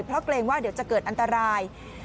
เพราะเกรงว่าเดี๋ยวจะเกิดอันตราย